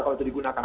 kalau itu digunakan